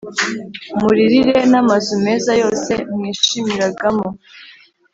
muririre n’amazu meza yose mwishimiragamo,